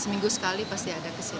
seminggu sekali pasti ada kesini